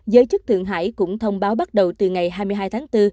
giới chức thượng hải cũng thông báo bắt đầu từ ngày hai mươi hai tháng bốn